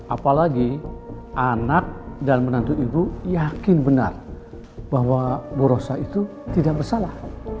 apalagi anak dan menantu ibu yakin benar bahwa borosa itu tidak bersalah